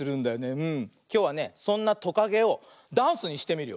きょうはねそんなトカゲをダンスにしてみるよ。